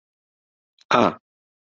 ئا.